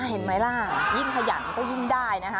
เห็นไหมล่ะยิ่งขยันก็ยิ่งได้นะคะ